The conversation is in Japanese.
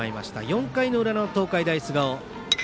４回裏の東海大菅生。